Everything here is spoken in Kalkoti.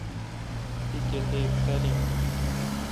تی کتیک تعلیم این؟